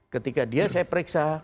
ketika dia saya periksa